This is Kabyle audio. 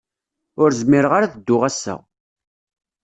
Ur zmireɣ ara ad dduɣ ass-a.